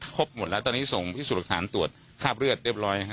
ครบหมดแล้วตอนนี้ส่งพิสูจน์หลักฐานตรวจคราบเลือดเรียบร้อยฮะ